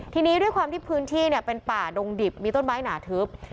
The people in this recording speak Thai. ทีนี้ด้วยความที่พื้นที่เป็นป่าดงดิบมีต้นไม้หนาทึบ